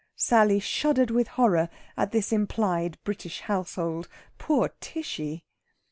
Sally shuddered with horror at this implied British household. Poor Tishy!